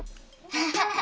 ハハハッ。